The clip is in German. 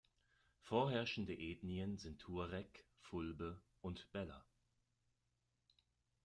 Vorherrschende Ethnien sind Tuareg, Fulbe und Bella.